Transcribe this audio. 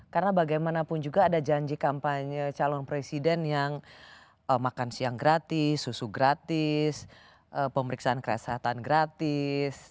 karena bagaimanapun juga ada janji kampanye calon presiden yang makan siang gratis susu gratis pemeriksaan kesehatan gratis